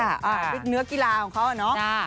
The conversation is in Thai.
อ้าวอีกเนื้อกีฬาของเขาเนอะ